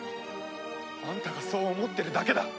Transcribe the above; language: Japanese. あんたがそう思ってるだけだ。